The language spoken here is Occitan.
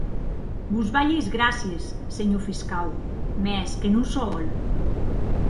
Vos balhi es gràcies, senhor fiscau, mès que non sò hòl.